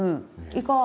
「行こう」